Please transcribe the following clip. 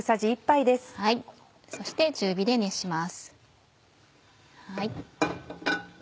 そして中火で熱します。